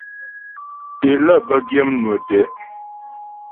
É lə́ bə́ gyə̂ mnwə tɛ́'.